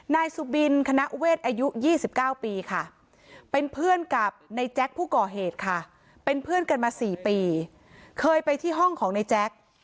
นายสุบินคณะเวทอายุ๒๙ปีค่ะเป็นเพื่อนกับในแจ๊คผู้ก่อเหตุค่ะเป็นเพื่อนกันมา๔ปีเคยไปที่ห้องของในแจ๊ค